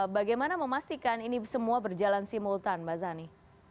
bagaimana memastikan ini semua berjalan simultan mbak zani